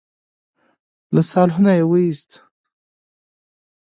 له سالونه يې وايست.